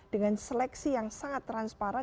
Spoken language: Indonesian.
dengan seleksi yang sangat transparan